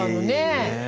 ねえ。